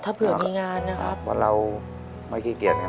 ถ้าเผื่อมีงานนะครับเพราะเราไม่ขี้เกียจไง